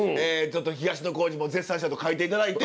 東野幸治も絶賛したと書いて頂いて。